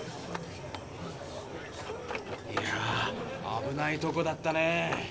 いや危ないとこだったね。